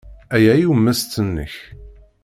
Aya i ummesten-nnek.